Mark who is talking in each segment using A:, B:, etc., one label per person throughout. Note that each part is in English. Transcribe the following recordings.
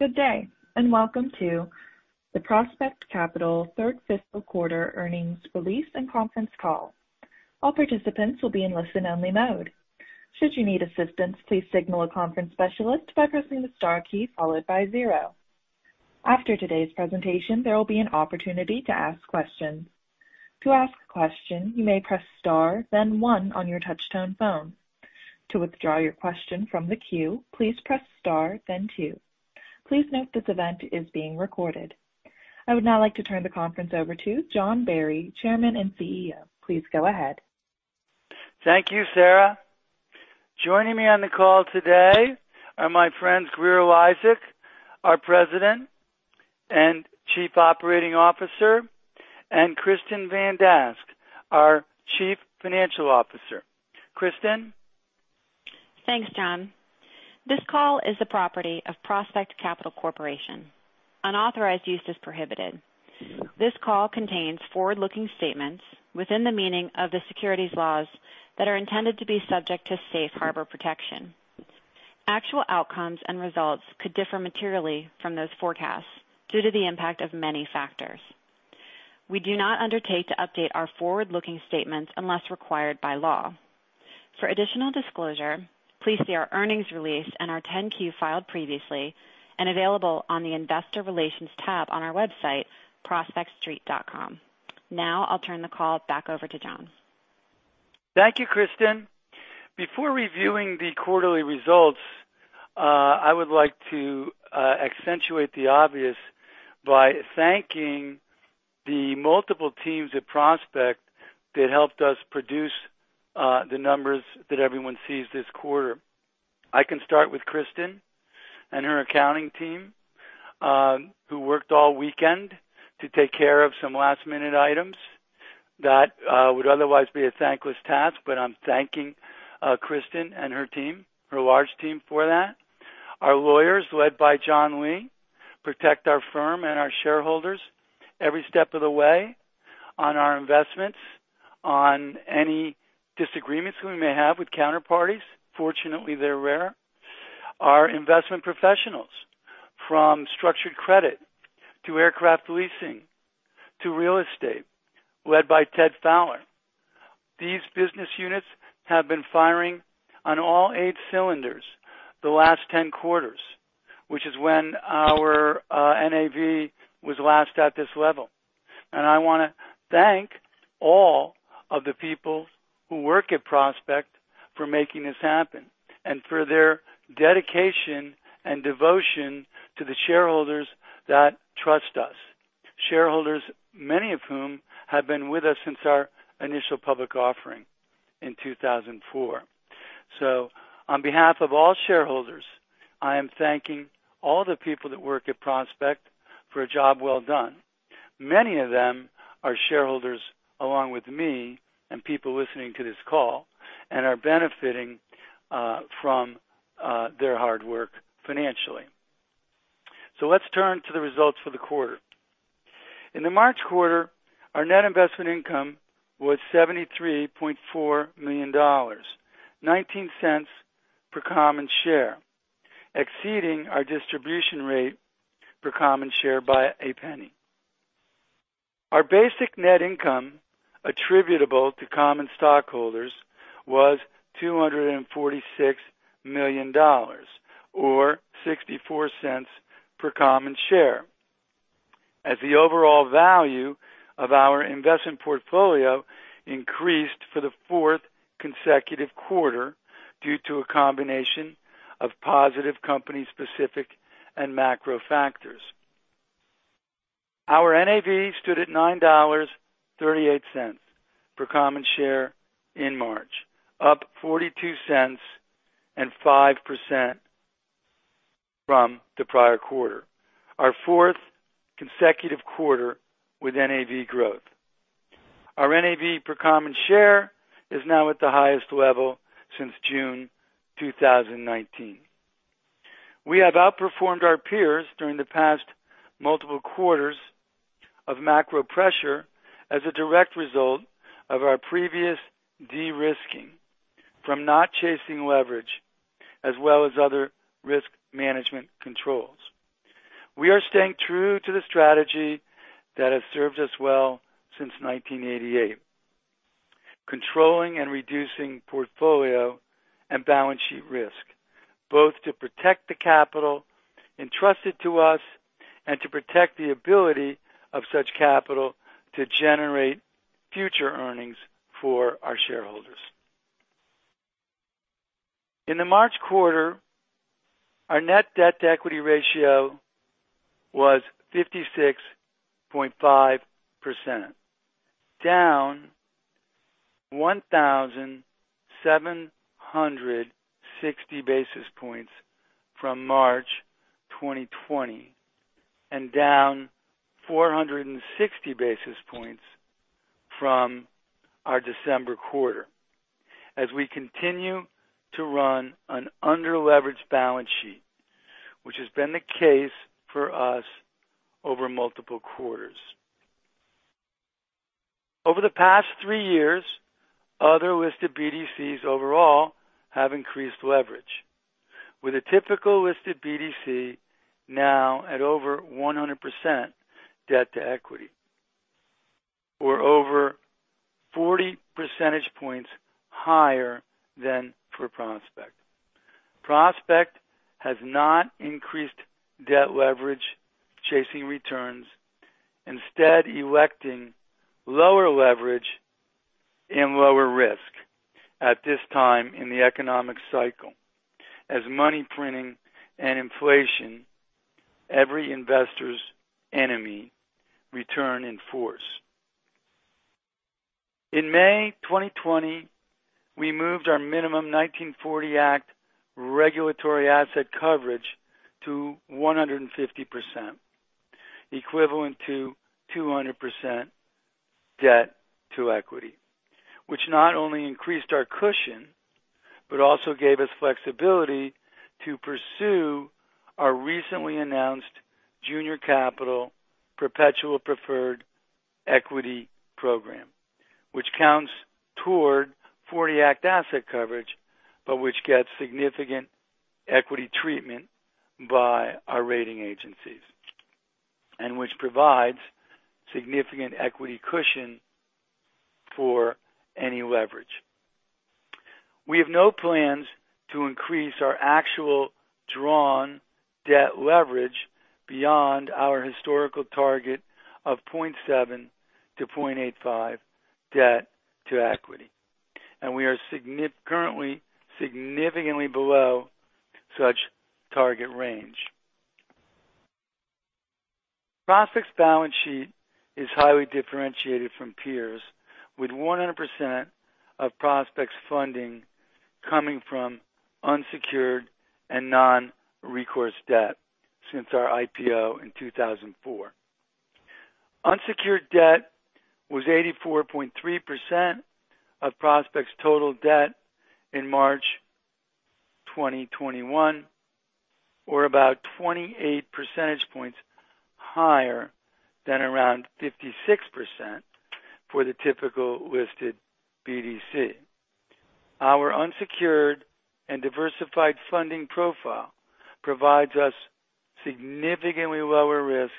A: Good day. Welcome to the Prospect Capital third fiscal quarter earnings release and conference call. All participants will be in listen-only mode. Should you need assistance, please signal a conference specialist by pressing the star key followed by zero. After today's presentation, there will be an opportunity to ask questions. To ask a question, you may press star then one on your touch-tone phone. To withdraw your question from the queue, please press star, then two. Please note this event is being recorded. I would now like to turn the conference over to John Barry, Chairman and CEO. Please go ahead.
B: Thank you, Sarah. Joining me on the call today are my friends, Grier Eliasek, our President and Chief Operating Officer, and Kristin Van Dask, our Chief Financial Officer. Kristin.
C: Thanks, John. This call is the property of Prospect Capital Corporation. Unauthorized use is prohibited. This call contains forward-looking statements within the meaning of the securities laws that are intended to be subject to safe harbor protection. Actual outcomes and results could differ materially from those forecasts due to the impact of many factors. We do not undertake to update our forward-looking statements unless required by law. For additional disclosure, please see our earnings release and our 10-Q filed previously and available on the investor relations tab on our website, prospectstreet.com. Now I'll turn the call back over to John.
B: Thank you, Kristin. Before reviewing the quarterly results, I would like to accentuate the obvious by thanking the multiple teams at Prospect that helped us produce the numbers that everyone sees this quarter. I can start with Kristin and her accounting team, who worked all weekend to take care of some last-minute items that would otherwise be a thankless task. I'm thanking Kristin and her team, her large team for that. Our lawyers, led by John Lee, protect our firm and our shareholders every step of the way on our investments, on any disagreements we may have with counterparties. Fortunately, they're rare. Our investment professionals from structured credit to aircraft leasing to real estate, led by Ted Fowler. These business units have been firing on all eight cylinders the last ten quarters, which is when our NAV was last at this level. I want to thank all of the people who work at Prospect for making this happen and for their dedication and devotion to the shareholders that trust us. Shareholders, many of whom have been with us since our initial public offering in 2004. On behalf of all shareholders, I am thanking all the people that work at Prospect for a job well done. Many of them are shareholders along with me and people listening to this call and are benefiting from their hard work financially. Let's turn to the results for the quarter. In the March quarter, our net investment income was $73.4 million, $0.19 per common share, exceeding our distribution rate per common share by $0.01. Our basic net income attributable to common stockholders was $246 million, or $0.64 per common share. As the overall value of our investment portfolio increased for the fourth consecutive quarter due to a combination of positive company-specific and macro factors. Our NAV stood at $9.38 per common share in March, up $0.42 and 5% from the prior quarter. Our fourth consecutive quarter with NAV growth. Our NAV per common share is now at the highest level since June 2019. We have outperformed our peers during the past multiple quarters of macro pressure as a direct result of our previous de-risking from not chasing leverage as well as other risk management controls. We are staying true to the strategy that has served us well since 1988, controlling and reducing portfolio and balance sheet risk, both to protect the capital entrusted to us and to protect the ability of such capital to generate future earnings for our shareholders. In the March quarter, our net debt-to-equity ratio was 56.5%, down 1,760 basis points from March 2020 and down 460 basis points from our December quarter as we continue to run an under-leveraged balance sheet, which has been the case for us over multiple quarters. Over the past three years, other listed BDCs overall have increased leverage, with a typical listed BDC now at over 100% debt-to-equity. We're over 40 percentage points higher than for Prospect. Prospect has not increased debt leverage chasing returns, instead electing lower leverage and lower risk at this time in the economic cycle as money printing and inflation, every investor's enemy, return in force. In May 2020, we moved our minimum 1940 Act regulatory asset coverage to 150%, equivalent to 200% debt to equity, which not only increased our cushion, but also gave us flexibility to pursue our recently announced junior capital perpetual preferred equity program, which counts toward 40 Act asset coverage, but which gets significant equity treatment by our rating agencies, and which provides significant equity cushion for any leverage. We have no plans to increase our actual drawn debt leverage beyond our historical target of 0.7 to 0.85 debt to equity. We are currently significantly below such target range. Prospect's balance sheet is highly differentiated from peers, with 100% of Prospect's funding coming from unsecured and non-recourse debt since our IPO in 2004. Unsecured debt was 84.3% of Prospect's total debt in March 2021, or about 28 percentage points higher than around 56% for the typical listed BDC. Our unsecured and diversified funding profile provides us significantly lower risk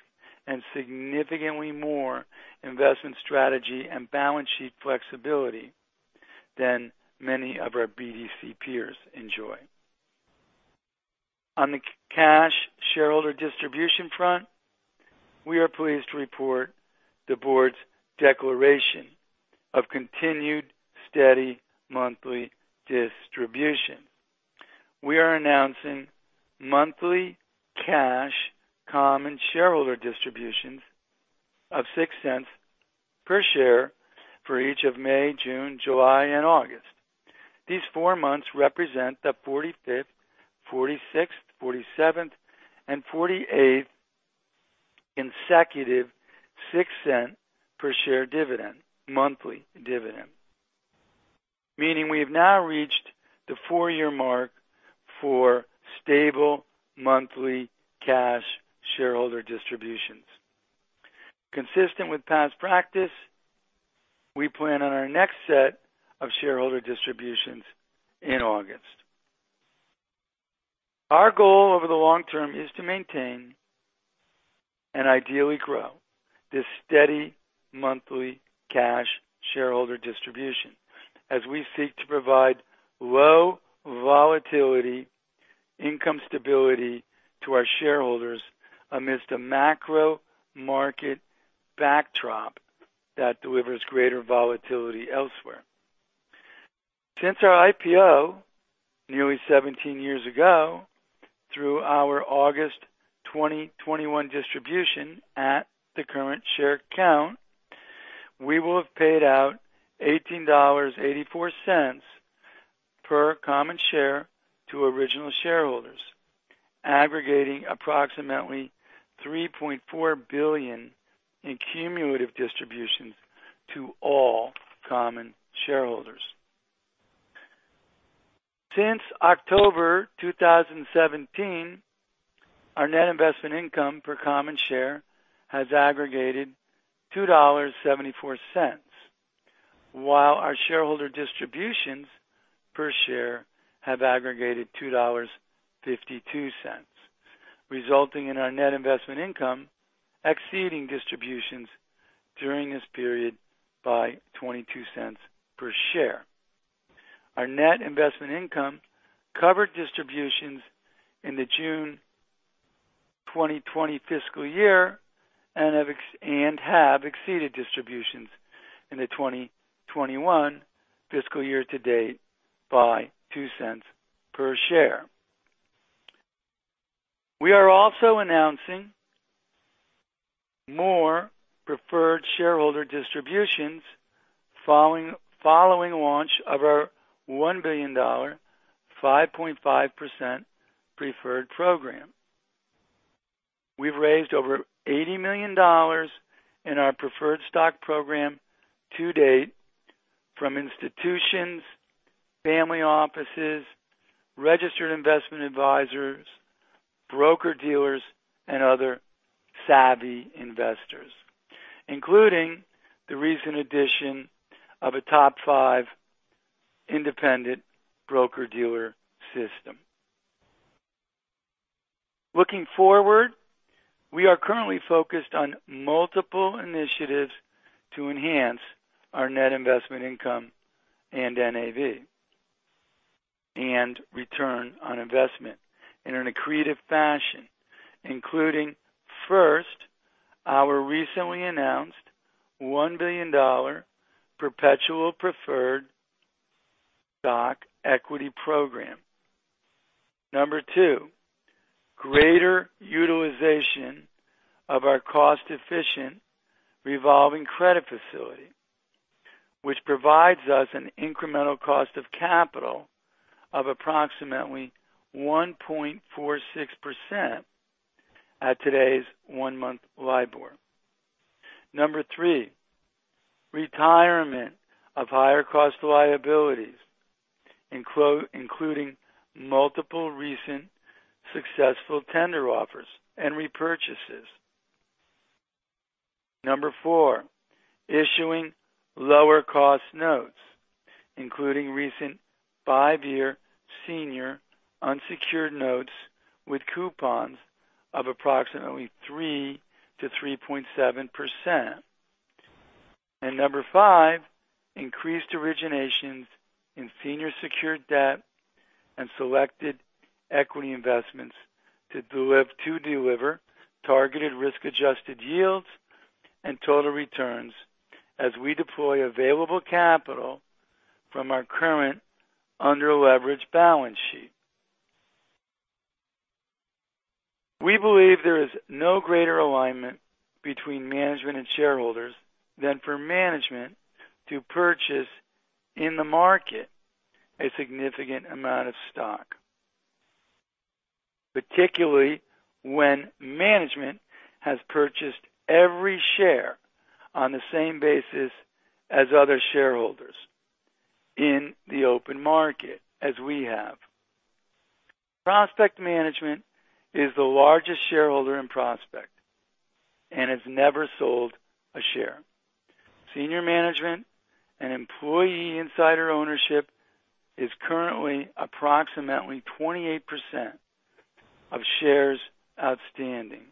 B: and significantly more investment strategy and balance sheet flexibility than many of our BDC peers enjoy. On the cash shareholder distribution front, we are pleased to report the board's declaration of continued steady monthly distribution. We are announcing monthly cash common shareholder distributions of $0.06 per share for each of May, June, July, and August. These four months represent the 45th, 46th, 47th, and 48th consecutive $0.06 per share monthly dividend. Meaning we've now reached the four-year mark for stable monthly cash shareholder distributions. Consistent with past practice, we plan on our next set of shareholder distributions in August. Our goal over the long term is to maintain and ideally grow this steady monthly cash shareholder distribution as we seek to provide low volatility income stability to our shareholders amidst a macro market backdrop that delivers greater volatility elsewhere. Since our IPO nearly 17 years ago, through our August 2021 distribution at the current share count, we will have paid out $18.84 per common share to original shareholders, aggregating approximately $3.4 billion in cumulative distributions to all common shareholders. Since October 2017, our net investment income per common share has aggregated $2.74, while our shareholder distributions per share have aggregated $2.52, resulting in our net investment income exceeding distributions during this period by $0.22 per share. Our net investment income covered distributions in the June 2020 fiscal year and have exceeded distributions in the 2021 fiscal year to date by $0.02 per share. We are also announcing more preferred shareholder distributions following launch of our $1 billion, 5.5% preferred program. We've raised over $80 million in our preferred stock program to date from institutions, family offices, registered investment advisors, broker-dealers, and other savvy investors, including the recent addition of a top 5 independent broker-dealer system. Looking forward, we are currently focused on multiple initiatives to enhance our net investment income and NAV, and return on investment in an accretive fashion, including First, our recently announced $1 billion perpetual preferred stock equity program. Number 2, greater utilization of our cost-efficient revolving credit facility, which provides us an incremental cost of capital of approximately 1.46% at today's 1-month LIBOR. Number 3, retirement of higher cost liabilities including multiple recent successful tender offers and repurchases. Number 4, issuing lower-cost notes, including recent five-year senior unsecured notes with coupons of approximately 3% to 3.7%. Number 5, increased originations in senior secured debt and selected equity investments to deliver targeted risk-adjusted yields and total returns as we deploy available capital from our current under-leveraged balance sheet. We believe there is no greater alignment between management and shareholders than for management to purchase in the market a significant amount of stock. Particularly when management has purchased every share on the same basis as other shareholders in the open market as we have. Prospect Management is the largest shareholder in Prospect and has never sold a share. Senior management and employee insider ownership is currently approximately 28% of shares outstanding,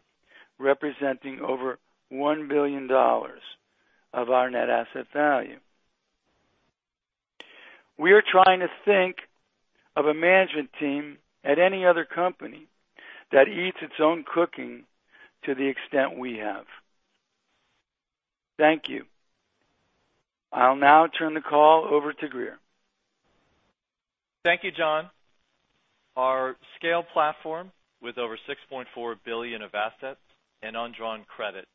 B: representing over $1 billion of our net asset value. We are trying to think of a management team at any other company that eats its own cooking to the extent we have. Thank you. I'll now turn the call over to Grier.
D: Thank you, John. Our scale platform with over $6.4 billion of assets and undrawn credit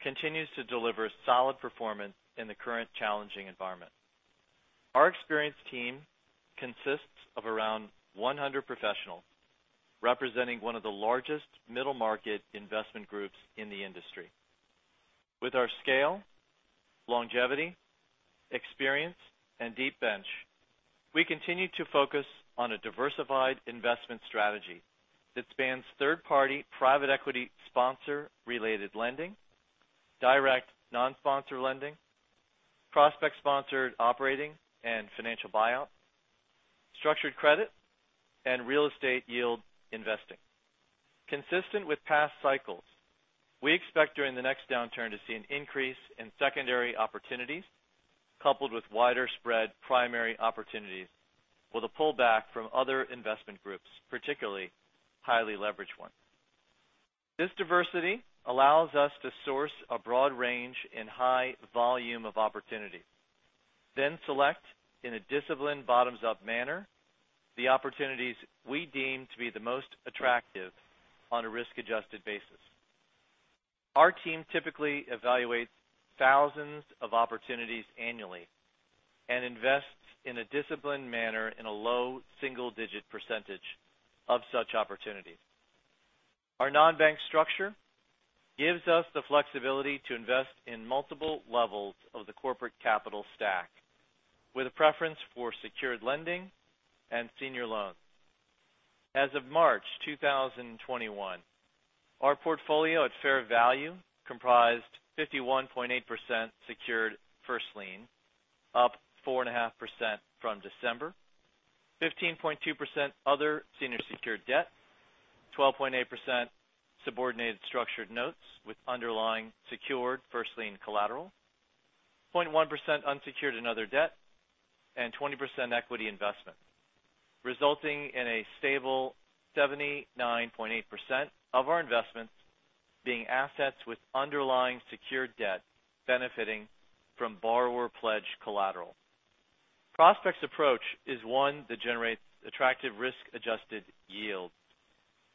D: continues to deliver solid performance in the current challenging environment. Our experienced team consists of around 100 professionals, representing one of the largest middle-market investment groups in the industry. With our scale, longevity, experience, and deep bench, we continue to focus on a diversified investment strategy that spans third-party private equity sponsor-related lending, direct non-sponsor lending, Prospect-sponsored operating and financial buyout, structured credit, and real estate yield investing. Consistent with past cycles, we expect during the next downturn to see an increase in secondary opportunities, coupled with wider spread primary opportunities with a pullback from other investment groups, particularly highly leveraged ones. This diversity allows us to source a broad range and high volume of opportunity, then select in a disciplined bottoms-up manner the opportunities we deem to be the most attractive on a risk-adjusted basis. Our team typically evaluates thousands of opportunities annually and invests in a disciplined manner in a low single-digit percentage of such opportunities. Our non-bank structure gives us the flexibility to invest in multiple levels of the corporate capital stack, with a preference for secured lending and senior loans. As of March 2021, our portfolio at fair value comprised 51.8% secured first lien, up 4.5% from December, 15.2% other senior secured debt, 12.8% subordinated structured notes with underlying secured first lien collateral, 0.1% unsecured and other debt, and 20% equity investment, resulting in a stable 79.8% of our investments being assets with underlying secured debt benefiting from borrower pledge collateral. Prospect's approach is one that generates attractive risk-adjusted yields,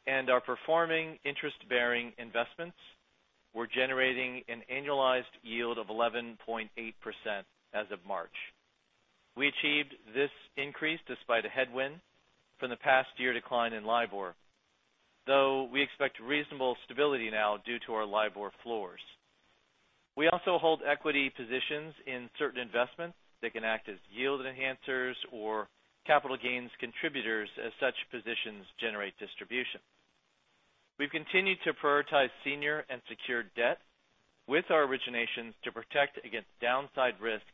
D: and our performing interest-bearing investments were generating an annualized yield of 11.8% as of March. We achieved this increase despite a headwind from the past year decline in LIBOR. We expect reasonable stability now due to our LIBOR floors. We also hold equity positions in certain investments that can act as yield enhancers or capital gains contributors as such positions generate distribution. We've continued to prioritize senior and secured debt with our originations to protect against downside risk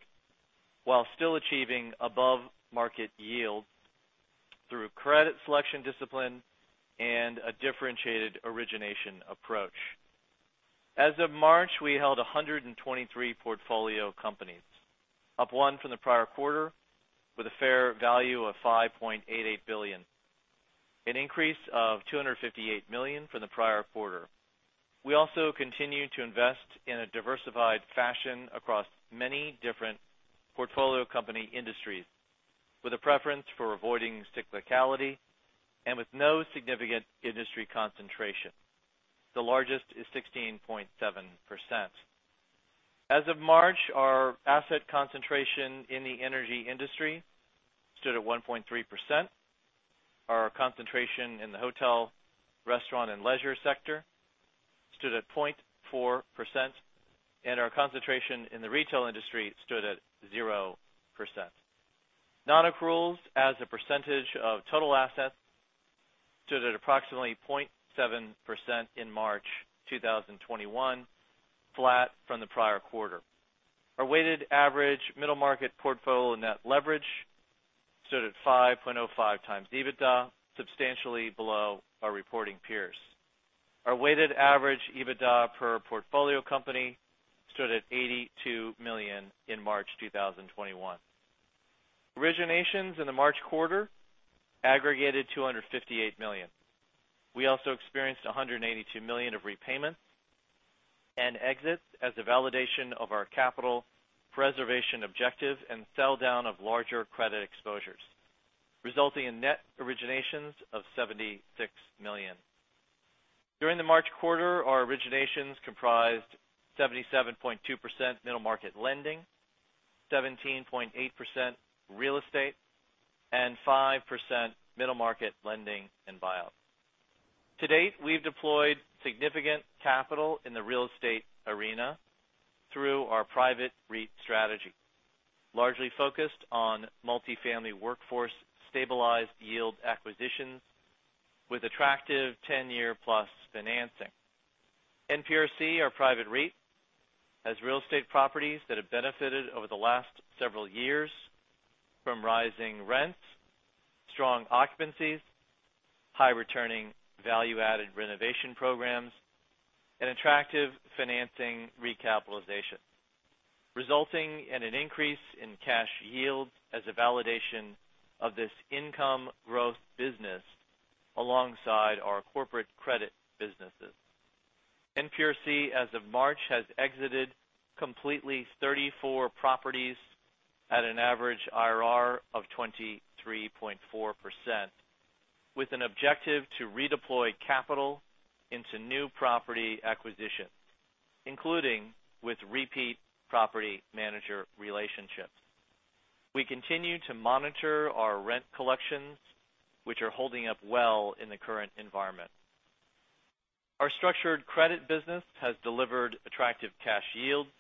D: while still achieving above-market yields through credit selection discipline and a differentiated origination approach. As of March, we held 123 portfolio companies, up one from the prior quarter, with a fair value of $5.88 billion, an increase of $258 million from the prior quarter. We also continue to invest in a diversified fashion across many different portfolio company industries, with a preference for avoiding cyclicality and with no significant industry concentration. The largest is 16.7%. As of March, our asset concentration in the energy industry stood at 1.3%. Our concentration in the hotel, restaurant, and leisure sector stood at 0.4%, and our concentration in the retail industry stood at 0%. Non-accruals as a percentage of total assets stood at approximately 0.7% in March 2021, flat from the prior quarter. Our weighted average middle market portfolio net leverage stood at 5.05 times EBITDA, substantially below our reporting peers. Our weighted average EBITDA per portfolio company stood at $82 million in March 2021. Originations in the March quarter aggregated $258 million. We also experienced $182 million of repayments and exits as a validation of our capital preservation objective and sell down of larger credit exposures, resulting in net originations of $76 million. During the March quarter, our originations comprised 77.2% middle market lending, 17.8% real estate, and 5% middle market lending and buyout. To date, we've deployed significant capital in the real estate arena through our private REIT strategy, largely focused on multi-family workforce stabilized yield acquisitions with attractive 10-year-plus financing. NPRC, our private REIT, has real estate properties that have benefited over the last several years from rising rents, strong occupancies, high returning value-added renovation programs, and attractive financing recapitalization, resulting in an increase in cash yield as a validation of this income growth business alongside our corporate credit businesses. NPRC, as of March, has exited completely 34 properties at an average IRR of 23.4%, with an objective to redeploy capital into new property acquisitions, including with repeat property manager relationships. We continue to monitor our rent collections, which are holding up well in the current environment. Our structured credit business has delivered attractive cash yields,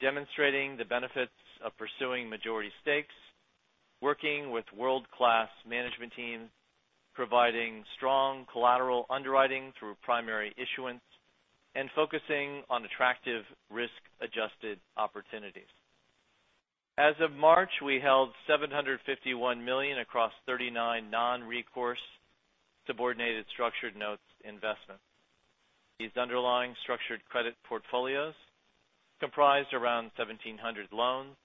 D: demonstrating the benefits of pursuing majority stakes, working with world-class management teams, providing strong collateral underwriting through primary issuance, and focusing on attractive risk-adjusted opportunities. As of March, we held $751 million across 39 non-recourse subordinated structured notes investments. These underlying structured credit portfolios comprised around 1,700 loans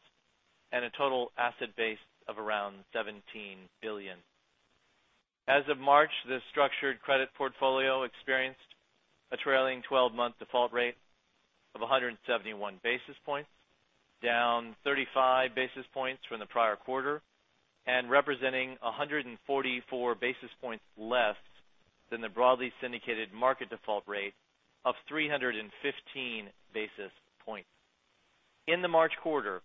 D: and a total asset base of around $17 billion. As of March, the structured credit portfolio experienced a trailing 12-month default rate of 171 basis points, down 35 basis points from the prior quarter and representing 144 basis points less than the broadly syndicated market default rate of 315 basis points. In the March quarter,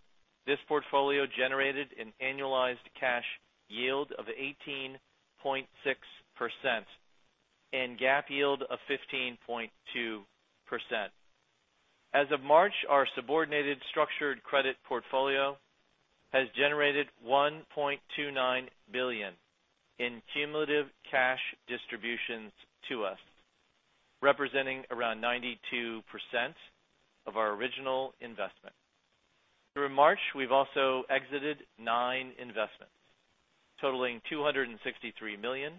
D: this portfolio generated an annualized cash yield of 18.6% and GAAP yield of 15.2%. As of March, our subordinated structured credit portfolio has generated $1.29 billion in cumulative cash distributions to us, representing around 92% of our original investment. Through March, we've also exited nine investments totaling $263 million,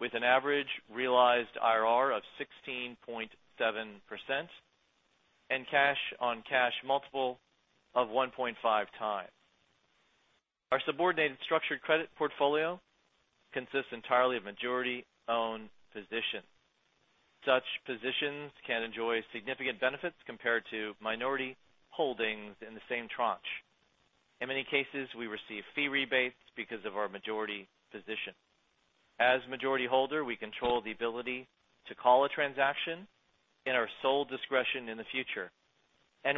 D: with an average realized IRR of 16.7% and cash-on-cash multiple of 1.5x. Our subordinated structured credit portfolio consists entirely of majority-owned positions. Such positions can enjoy significant benefits compared to minority holdings in the same tranche. In many cases, we receive fee rebates because of our majority position. As majority holder, we control the ability to call a transaction in our sole discretion in the future.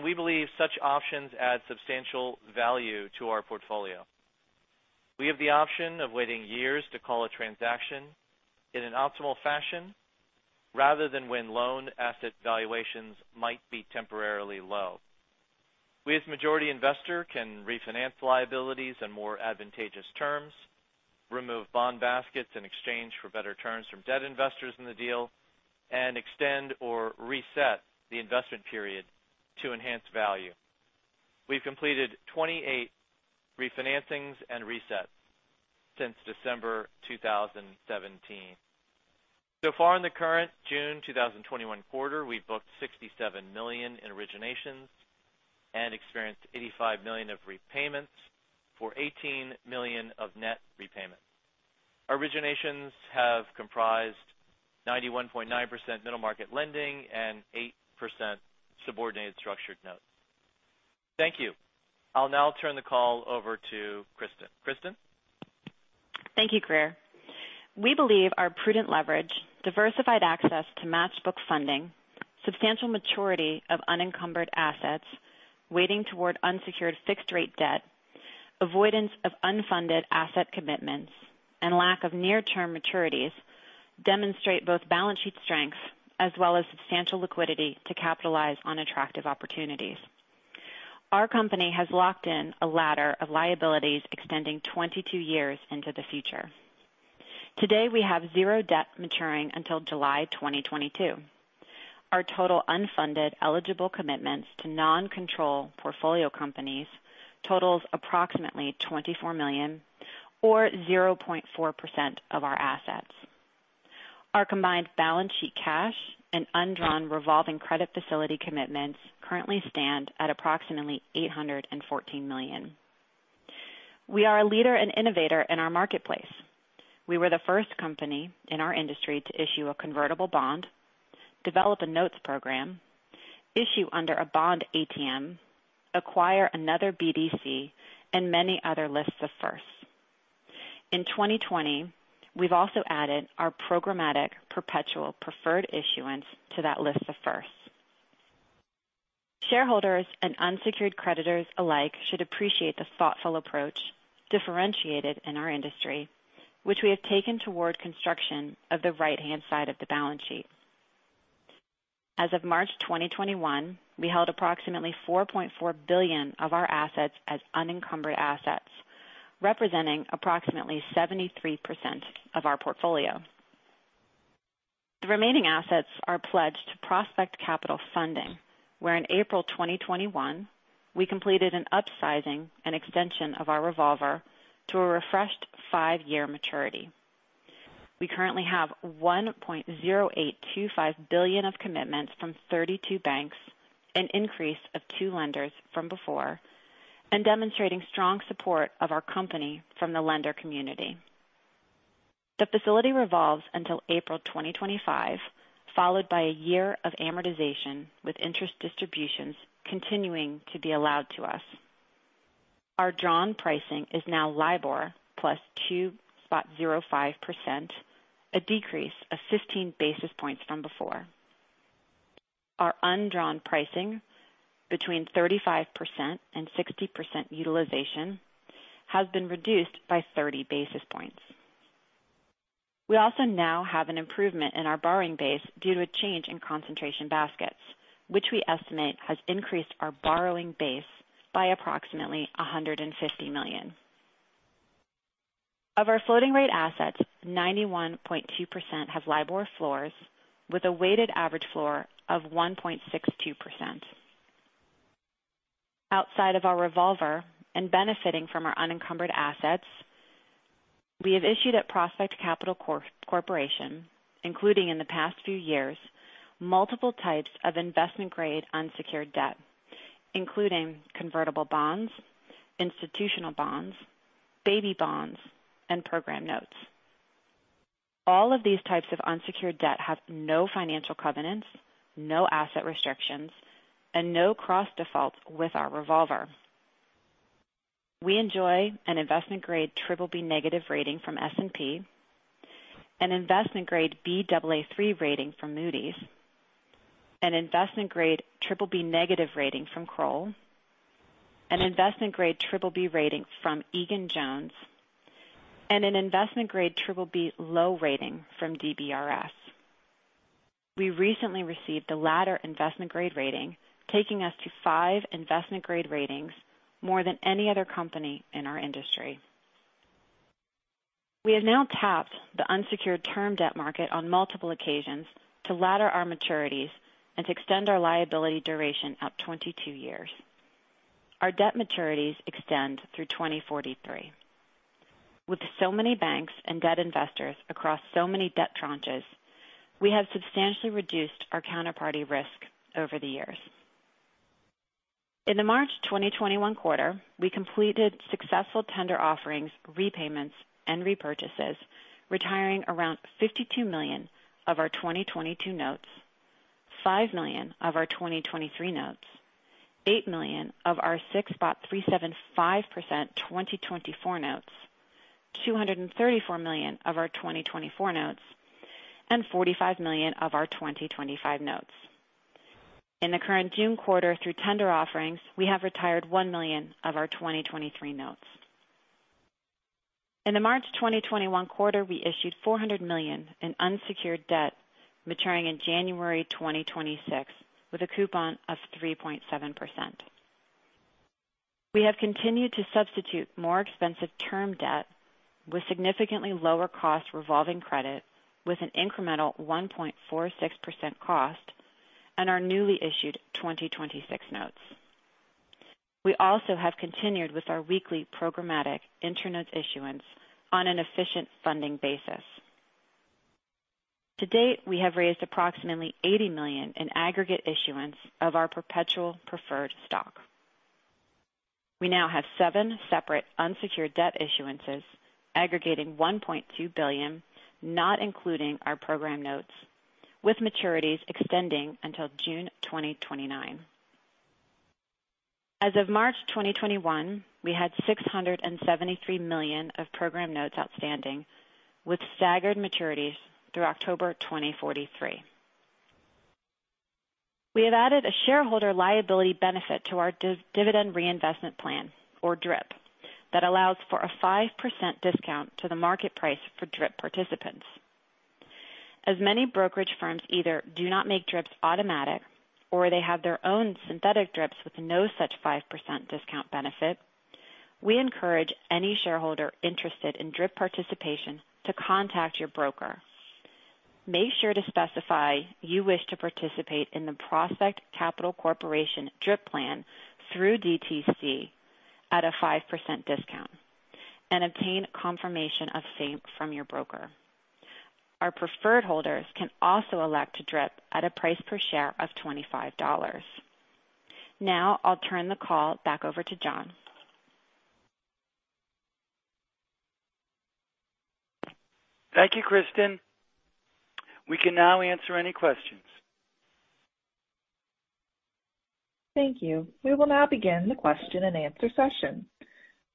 D: We believe such options add substantial value to our portfolio. We have the option of waiting years to call a transaction in an optimal fashion rather than when loan asset valuations might be temporarily low. We, as majority investor, can refinance liabilities on more advantageous terms, remove bond baskets in exchange for better terms from debt investors in the deal, and extend or reset the investment period to enhance value. We've completed 28 refinancings and resets since December 2017. Far in the current June 2021 quarter, we've booked $67 million in originations and experienced $85 million of repayments for $18 million of net repayment. Our originations have comprised 91.9% middle market lending and 8% subordinated structured notes. Thank you. I'll now turn the call over to Kristin. Kristin?
C: Thank you, Grier. We believe our prudent leverage, diversified access to match book funding, substantial maturity of unencumbered assets, weighting toward unsecured fixed rate debt, avoidance of unfunded asset commitments, and lack of near-term maturities demonstrate both balance sheet strength as well as substantial liquidity to capitalize on attractive opportunities. Our company has locked in a ladder of liabilities extending 22 years into the future. Today, we have zero debt maturing until July 2022. Our total unfunded eligible commitments to non-control portfolio companies totals approximately $24 million or 0.4% of our assets. Our combined balance sheet cash and undrawn revolving credit facility commitments currently stand at approximately $814 million. We are a leader and innovator in our marketplace. We were the first company in our industry to issue a convertible bond, develop a notes program, issue under a bond ATM, acquire another BDC, and many other lists of firsts. In 2020, we've also added our programmatic perpetual preferred issuance to that list of firsts. Shareholders and unsecured creditors alike should appreciate the thoughtful approach differentiated in our industry, which we have taken toward construction of the right-hand side of the balance sheet. As of March 2021, we held approximately $4.4 billion of our assets as unencumbered assets, representing approximately 73% of our portfolio. The remaining assets are pledged to Prospect Capital Funding, where in April 2021, we completed an upsizing and extension of our revolver to a refreshed five-year maturity. We currently have $1.0825 billion of commitments from 32 banks, an increase of two lenders from before, demonstrating strong support of our company from the lender community. The facility revolves until April 2025, followed by a year of amortization with interest distributions continuing to be allowed to us. Our drawn pricing is now LIBOR plus 2.05%, a decrease of 15 basis points from before. Our undrawn pricing between 35% and 60% utilization has been reduced by 30 basis points. We also now have an improvement in our borrowing base due to a change in concentration baskets, which we estimate has increased our borrowing base by approximately $150 million. Of our floating rate assets, 91.2% have LIBOR floors with a weighted average floor of 1.62%. Outside of our revolver and benefiting from our unencumbered assets, we have issued at Prospect Capital Corporation, including in the past few years, multiple types of investment-grade unsecured debt, including convertible bonds, institutional bonds, baby bonds, and program notes. All of these types of unsecured debt have no financial covenants, no asset restrictions, and no cross defaults with our revolver. We enjoy an investment grade BBB negative rating from S&P, an investment grade Baa3 rating from Moody's, an investment grade BBB negative rating from Kroll, an investment grade BBB rating from Egan-Jones, and an investment grade BBB low rating from DBRS. We recently received the latter investment grade rating, taking us to five investment grade ratings, more than any other company in our industry. We have now tapped the unsecured term debt market on multiple occasions to ladder our maturities and to extend our liability duration out 22 years. Our debt maturities extend through 2043. With so many banks and debt investors across so many debt tranches, we have substantially reduced our counterparty risk over the years. In the March 2021 quarter, we completed successful tender offerings, repayments, and repurchases, retiring around $52 million of our 2022 notes, $5 million of our 2023 notes, $8 million of our 6.375% 2024 notes, $234 million of our 2024 notes, and $45 million of our 2025 notes. In the current June quarter through tender offerings, we have retired $1 million of our 2023 notes. In the March 2021 quarter, we issued $400 million in unsecured debt maturing in January 2026 with a coupon of 3.7%. We have continued to substitute more expensive term debt with significantly lower cost revolving credit with an incremental 1.46% cost and our newly issued 2026 notes. We also have continued with our weekly programmatic term notes issuance on an efficient funding basis. To date, we have raised approximately $80 million in aggregate issuance of our perpetual preferred stock. We now have seven separate unsecured debt issuances aggregating $1.2 billion, not including our program notes, with maturities extending until June 2029. As of March 2021, we had $673 million of program notes outstanding, with staggered maturities through October 2043. We have added a shareholder liability benefit to our dividend reinvestment plan, or DRIP, that allows for a 5% discount to the market price for DRIP participants. As many brokerage firms either do not make DRIPs automatic, or they have their own synthetic DRIPs with no such 5% discount benefit, we encourage any shareholder interested in DRIP participation to contact your broker. Make sure to specify you wish to participate in the Prospect Capital Corporation DRIP plan through DTC at a 5% discount, and obtain confirmation of same from your broker. Our preferred holders can also elect to DRIP at a price per share of $25. Now, I'll turn the call back over to John.
B: Thank you, Kristin. We can now answer any questions.
A: Thank you. We will now begin the question and answer session.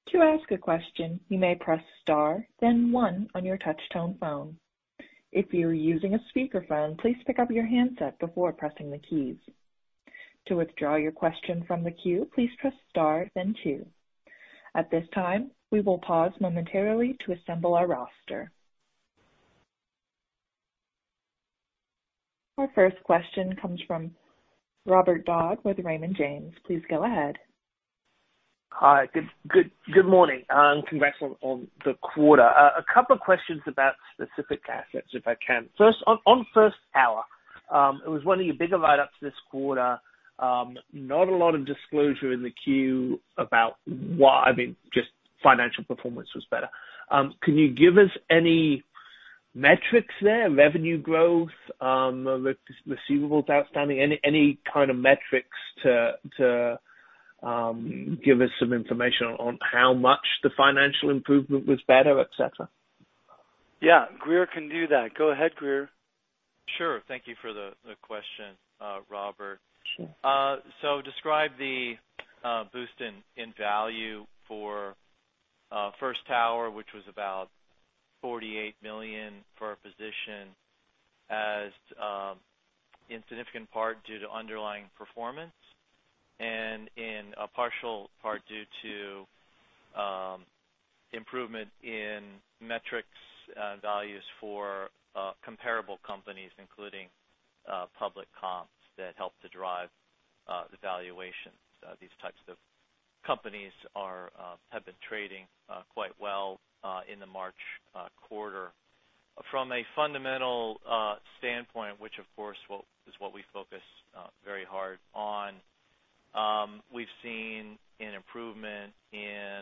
A: To ask a question, you may press star then one on your touch-tone phone. If you are using a speakerphone, please pick up your handset before pressing the keys. To withdraw your question from the queue, please press star then two. At this time, we will pause momentarily to assemble our roster. Our first question comes from Robert Dodd with Raymond James. Please go ahead.
E: Hi. Good morning. Congrats on the quarter. A couple of questions about specific assets, if I can. On First Tower, it was one of your bigger write-ups this quarter. Not a lot of disclosure in the 10-Q about why, just financial performance was better. Can you give us any metrics there, revenue growth, receivables outstanding, any kind of metrics to give us some information on how much the financial improvement was better, et cetera?
B: Yeah. Grier can do that. Go ahead, Grier.
D: Sure. Thank you for the question, Robert.
E: Sure.
D: Describe the boost in value for First Tower, which was about $48 million for our position, as in significant part due to underlying performance and in a partial part due to improvement in metrics values for comparable companies, including public comps that help to drive the valuations. These types of companies have been trading quite well in the March quarter. From a fundamental standpoint, which of course is what we focus very hard on, we've seen an improvement in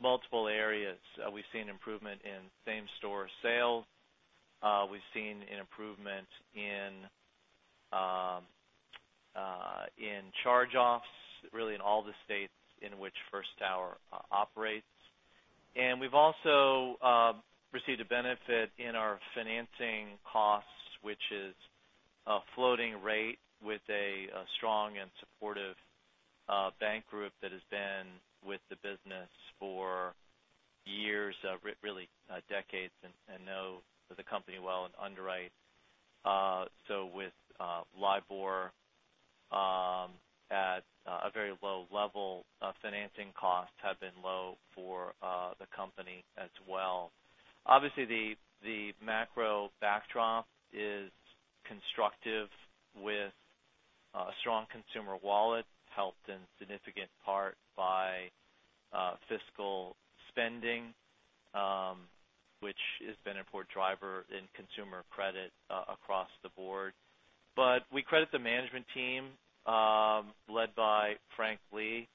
D: multiple areas. We've seen improvement in same-store sales. We've seen an improvement in charge-offs, really in all the states in which First Tower operates. We've also received a benefit in our financing costs, which is a floating rate with a strong and supportive bank group that has been with the business for years, really decades, and know the company well and underwrite. With LIBOR at a very low level, financing costs have been low for the company as well. Obviously, the macro backdrop is constructive with a strong consumer wallet, helped in significant part by fiscal spending, which has been an important driver in consumer credit across the board. We credit the management team, led by Frank Lee,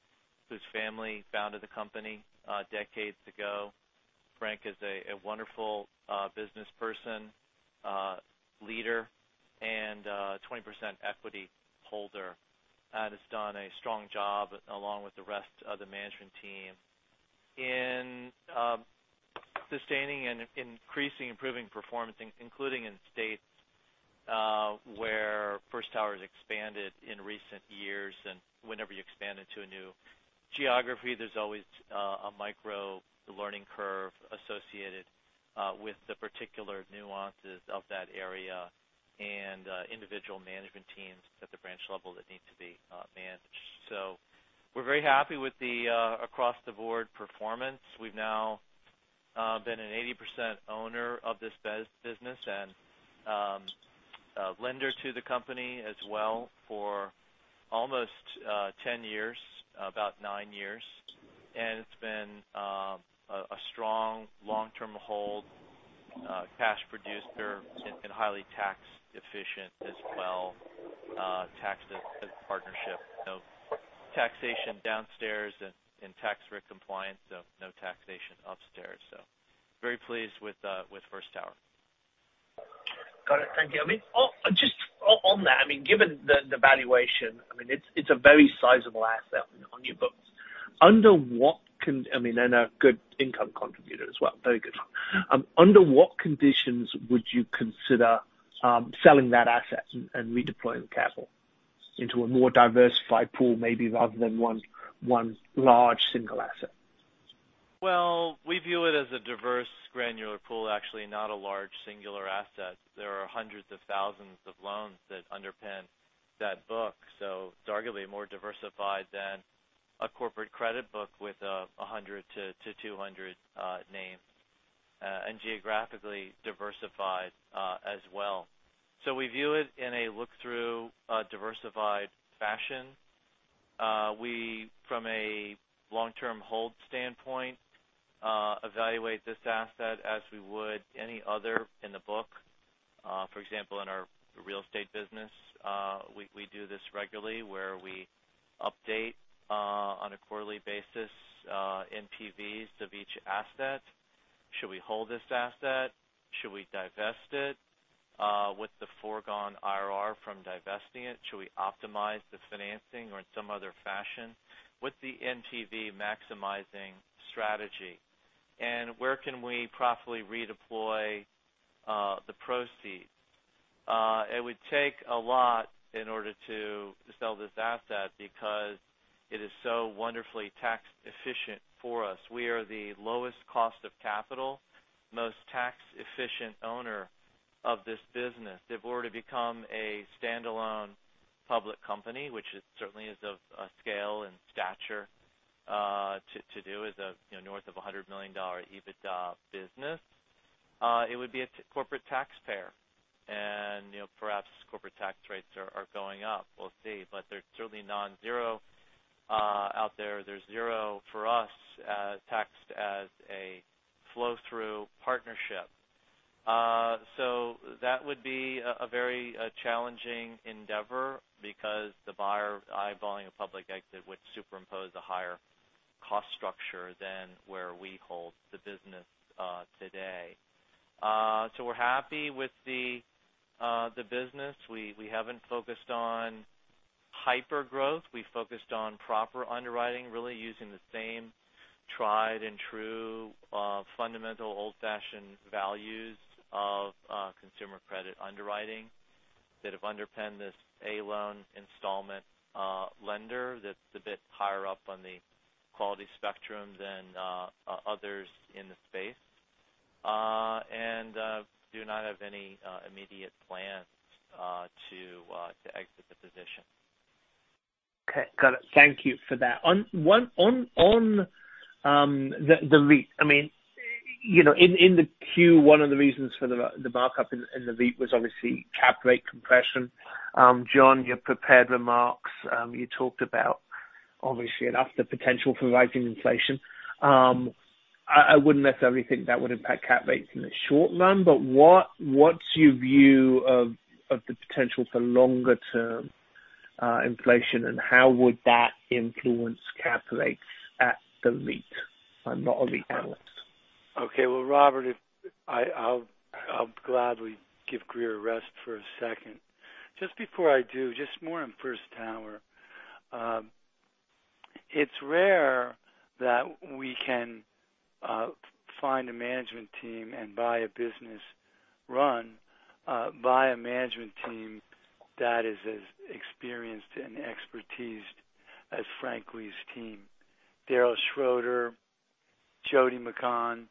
D: whose family founded the company decades ago. Frank is a wonderful businessperson, leader, and 20% equity holder and has done a strong job, along with the rest of the management team, in sustaining and increasing improving performance, including in states where First Tower has expanded in recent years. Whenever you expand into a new geography, there's always a micro learning curve associated with the particular nuances of that area and individual management teams at the branch level that need to be managed. We're very happy with the across-the-board performance. We've now been an 80% owner of this business and lender to the company as well for almost 10 years, about nine years. It's been a strong long-term hold cash producer and highly tax-efficient as well. Tax partnership. No taxation downstairs. Tax RIC compliance, so no taxation upstairs. Very pleased with First Tower.
E: Got it. Thank you. Just on that, given the valuation, it's a very sizable asset on your books. A good income contributor as well. Very good one. Under what conditions would you consider selling that asset and redeploying the capital into a more diversified pool, maybe rather than one large single asset?
D: Well, we view it as a diverse granular pool, actually, not a large singular asset. There are hundreds of thousands of loans that underpin that book, so it's arguably more diversified than a corporate credit book with 100 to 200 names. Geographically diversified as well. We view it in a look-through diversified fashion. We, from a long-term hold standpoint, evaluate this asset as we would any other in the book. For example, in our real estate business, we do this regularly where we update on a quarterly basis NPVs of each asset. Should we hold this asset? Should we divest it? With the foregone IRR from divesting it, should we optimize the financing or in some other fashion, what's the NPV maximizing strategy? Where can we properly redeploy the proceeds? It would take a lot in order to sell this asset because it is so wonderfully tax efficient for us. We are the lowest cost of capital, most tax-efficient owner of this business. They've already become a standalone public company, which certainly is of a scale and stature to do as north of $100 million EBITDA business. It would be a corporate taxpayer, and perhaps corporate tax rates are going up. We'll see. They're certainly non-zero out there. They're zero for us, taxed as a flow-through partnership. That would be a very challenging endeavor because the buyer eyeballing a public exit would superimpose a higher cost structure than where we hold the business today. We're happy with the business. We haven't focused on hyper-growth. We focused on proper underwriting, really using the same tried and true fundamental old-fashioned values of consumer credit underwriting that have underpinned this A loan installment lender that's a bit higher up on the quality spectrum than others in the space. Do not have any immediate plans to exit the position.
E: Okay, got it. Thank you for that. On the REIT, in the Q, one of the reasons for the markup in the REIT was obviously cap rate compression. John, your prepared remarks, you talked about obviously enough the potential for rising inflation. I wouldn't necessarily think that would impact cap rates in the short run. What's your view of the potential for longer-term inflation, and how would that influence cap rates at the REIT? I'm not on the analyst.
B: Okay. Well, Robert, I'll gladly give Grier a rest for a second. Just before I do, just more on First Tower. It's rare that we can find a management team and buy a business run by a management team that is as experienced and expertised as Frank Lee's team. Daryl Schroeder, Jody McCann,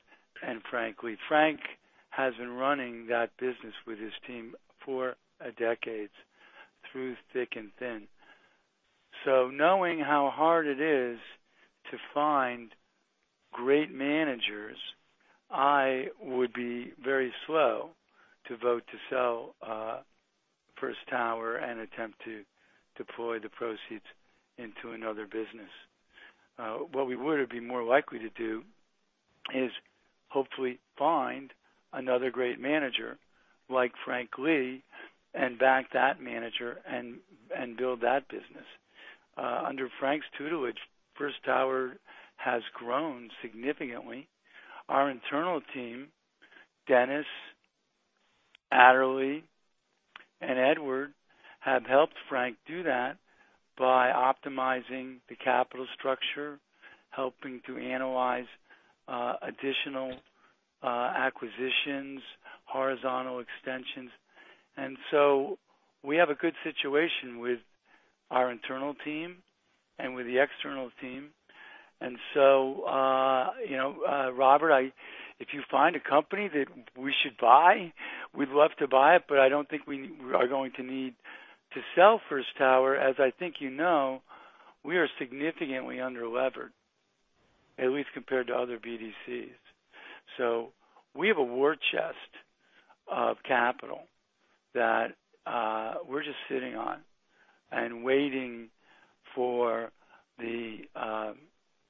B: and Frank Lee. Frank has been running that business with his team for decades through thick and thin. Knowing how hard it is to find great managers, I would be very slow to vote to sell First Tower and attempt to deploy the proceeds into another business. What we would be more likely to do is hopefully find another great manager like Frank Lee and back that manager and build that business. Under Frank's tutelage, First Tower has grown significantly. Our internal team, Dennis, Aderly, and Edward, have helped Frank do that by optimizing the capital structure. Helping to analyze additional acquisitions, horizontal extensions. We have a good situation with our internal team and with the external team. Robert, if you find a company that we should buy, we'd love to buy it, but I don't think we are going to need to sell First Tower. As I think you know, we are significantly under-levered, at least compared to other BDCs. We have a war chest of capital that we're just sitting on.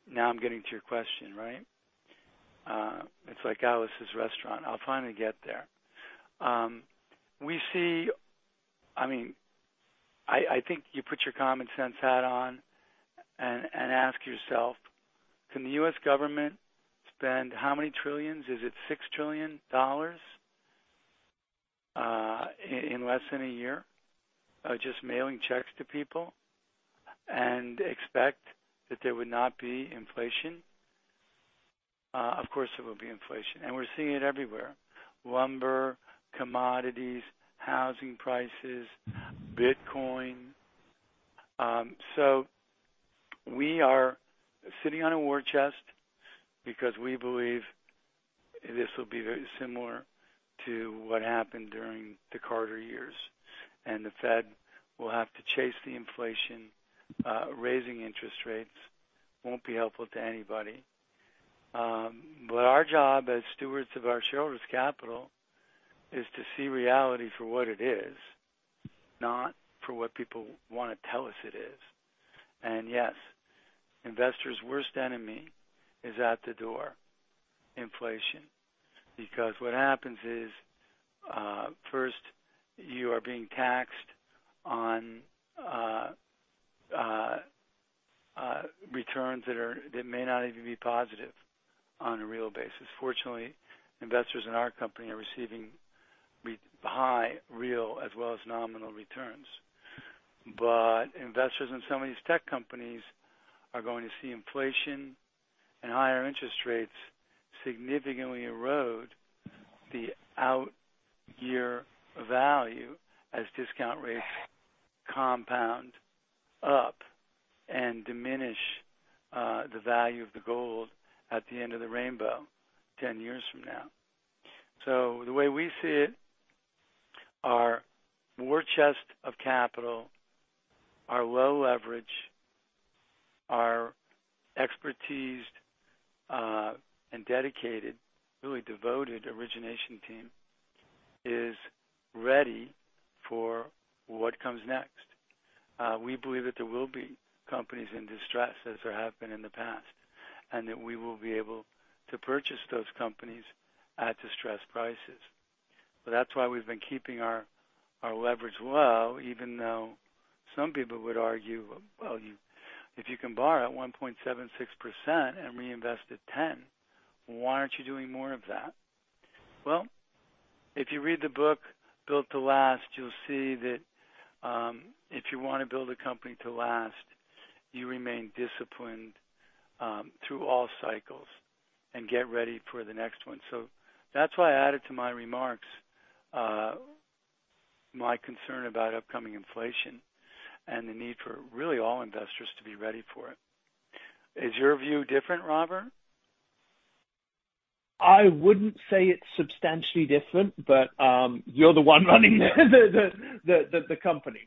B: Now I'm getting to your question, right? It's like Alice's Restaurant. I'll finally get there. I think you put your common sense hat on and ask yourself, can the U.S. government spend how many trillions? Is it $6 trillion in less than a year, just mailing checks to people and expect that there would not be inflation? Of course, there will be inflation, and we're seeing it everywhere. Lumber, commodities, housing prices, Bitcoin. We are sitting on a war chest because we believe this will be very similar to what happened during the Carter years, and the Fed will have to chase the inflation. Raising interest rates won't be helpful to anybody. Our job, as stewards of our shareholders' capital, is to see reality for what it is, not for what people want to tell us it is. Yes, investors' worst enemy is at the door, inflation. What happens is, first, you are being taxed on returns that may not even be positive on a real basis. Fortunately, investors in our company are receiving high real as well as nominal returns. Investors in some of these tech companies are going to see inflation and higher interest rates significantly erode the out year value as discount rates compound up and diminish the value of the gold at the end of the rainbow 10 years from now. The way we see it, our war chest of capital, our low leverage, our expertised and dedicated, really devoted origination team is ready for what comes next. We believe that there will be companies in distress, as there have been in the past, and that we will be able to purchase those companies at distressed prices. That's why we've been keeping our leverage low even though some people would argue, "Well, if you can borrow at 1.76% and reinvest at 10%, why aren't you doing more of that?" Well, if you read the book "Built to Last," you'll see that if you want to build a company to last, you remain disciplined through all cycles and get ready for the next one. That's why I added to my remarks my concern about upcoming inflation and the need for really all investors to be ready for it. Is your view different, Robert?
E: I wouldn't say it's substantially different, but you're the one running the company.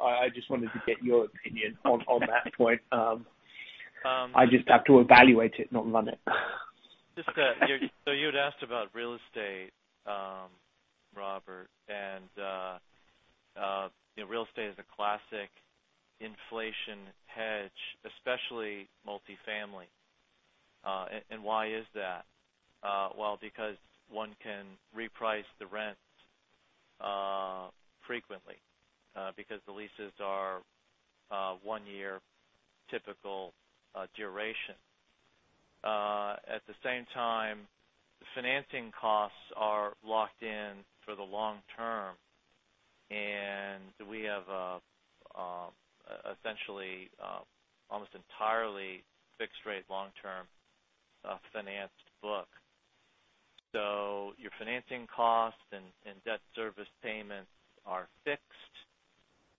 E: I just wanted to get your opinion on that point. I just have to evaluate it, not run it.
D: You had asked about real estate, Robert, and real estate is a classic inflation hedge, especially multi-family. Why is that? Well, because one can reprice the rents frequently, because the leases are one year typical duration. At the same time, the financing costs are locked in for the long term, and we have essentially almost entirely fixed rate long-term financed book. Your financing costs and debt service payments are fixed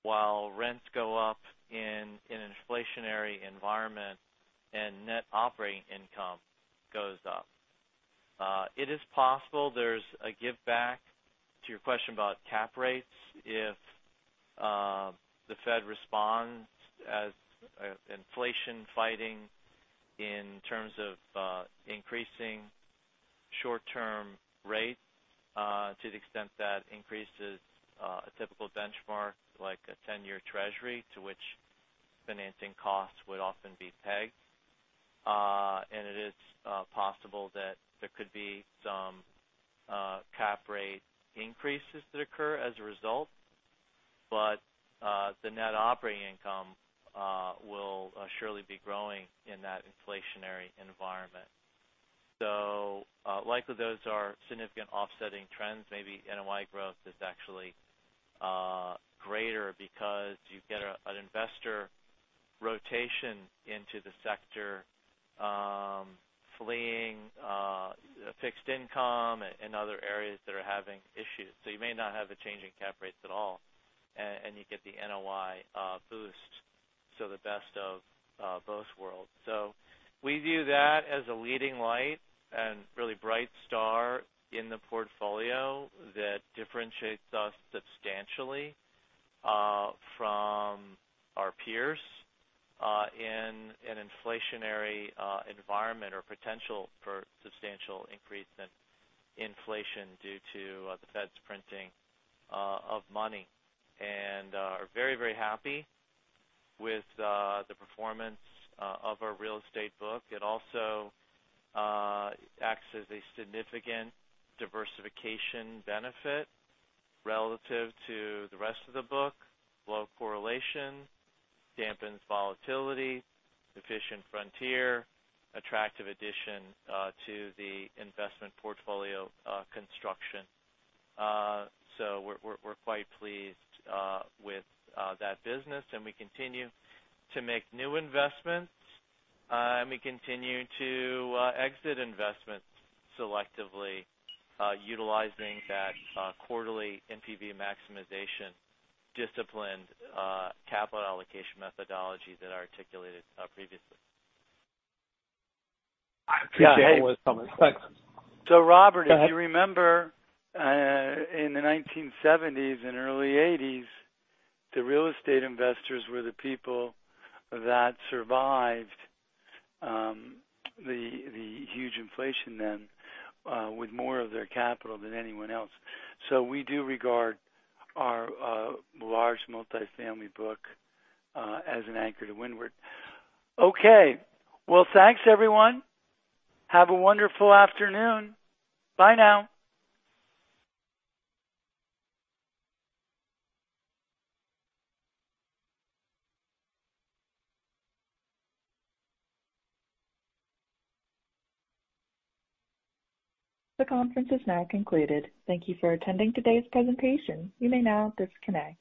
D: while rents go up in an inflationary environment and net operating income goes up. It is possible there's a giveback to your question about cap rates if the Fed responds as inflation fighting in terms of increasing short-term rates to the extent that increases a typical benchmark like a 10-year treasury to which financing costs would often be pegged. It is possible that there could be some cap rate increases that occur as a result. The net operating income will surely be growing in that inflationary environment. Likely those are significant offsetting trends. Maybe NOI growth is actually greater because you get an investor rotation into the sector, fleeing fixed income and other areas that are having issues. You may not have a change in cap rates at all, and you get the NOI boost. The best of both worlds. We view that as a leading light and really bright star in the portfolio that differentiates us substantially from our peers in an inflationary environment or potential for substantial increase in inflation due to the Fed's printing of money. We are very, very happy with the performance of our real estate book. It also acts as a significant diversification benefit relative to the rest of the book, low correlation, dampens volatility, efficient frontier, attractive addition to the investment portfolio construction. We're quite pleased with that business and we continue to make new investments. We continue to exit investments selectively utilizing that quarterly NPV maximization disciplined capital allocation methodology that I articulated previously.
E: I appreciate all those comments. Thanks.
B: Robert.
E: Go ahead.
B: If you remember, in the 1970s and early '80s, the real estate investors were the people that survived the huge inflation then with more of their capital than anyone else. We do regard our large multifamily book as an anchor to windward.
E: Okay. Well, thanks everyone. Have a wonderful afternoon. Bye now.
A: The conference is now concluded. Thank you for attending today's presentation. You may now disconnect.